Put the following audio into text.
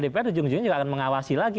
dpr ujung ujungnya juga akan mengawasi lagi